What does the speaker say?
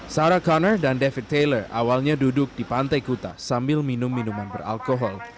sarah conner dan david taylor awalnya duduk di pantai kuta sambil minum minuman beralkohol